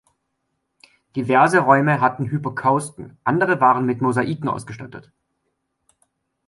Diverse Räume hatten Hypokausten, andere waren mit Mosaiken ausgestattet.